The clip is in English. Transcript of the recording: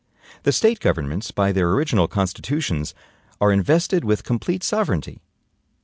The State governments, by their original constitutions, are invested with complete sovereignty.